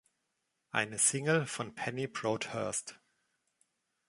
Eine Single von Penny Broadhurst.